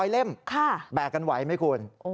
๑๐๐เล่มแบกกันไว้ไหมคุณ